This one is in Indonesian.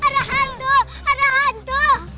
ada hantu ada hantu